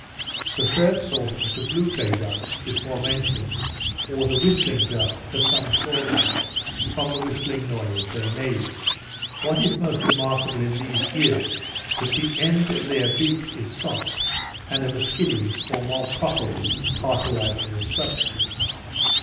The third sort is the blue grey duck, before mentioned, or the whistling duck, as some called them, from the whistling noise they made. What is most remarkable in these is, that the end of their beaks is soft, and of a skinny, or more properly, cartilaginous substance.